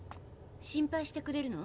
心配してくれるの？